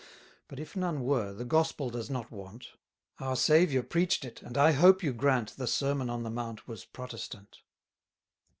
But if none were, the gospel does not want; Our Saviour preach'd it, and I hope you grant, The Sermon on the Mount was Protestant.